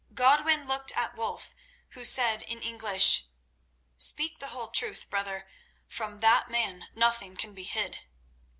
Godwin looked at Wulf, who said in English: "Speak the whole truth, brother. From that man nothing can be hid."